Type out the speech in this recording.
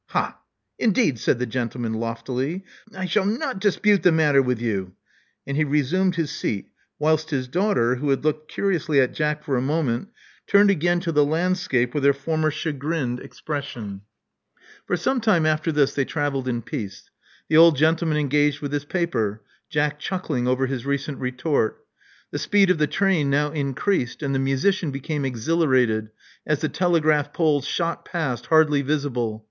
Ha! Indeed!" said the gentleman loftily. I shall not — ah — dispute the matter with you." And he resumed his seat, whilst his daughter, who had looked curiously at Jack for a moment, turned again to the landscape with her former chagrined expression. 6o Love Among the Artists For some time after this they travelled in peace: the old gentleman engaged with his paper: Jack chuckling over his recent retort. The speed of the train now increased ; and the musician became exhil arated as the telegfraph poles shot past, hardly visible.